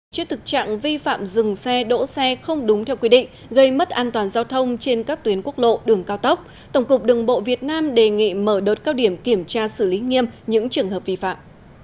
trước thực trạng vi phạm dừng xe đỗ xe không đúng theo quy định gây mất an toàn giao thông trên các tuyến quốc lộ đường cao tốc tổng cục đường bộ việt nam đề nghị mở đợt cao điểm kiểm tra xử lý nghiêm những trường hợp vi phạm